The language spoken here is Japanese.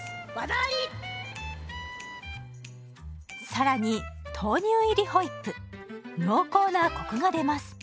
更に豆乳入りホイップ濃厚なコクが出ます。